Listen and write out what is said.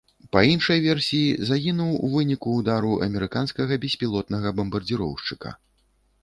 Па іншай версіі, загінуў у выніку ўдару амерыканскага беспілотнага бамбардзіроўшчыка.